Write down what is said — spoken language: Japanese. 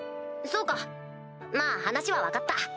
そうかまぁ話は分かった。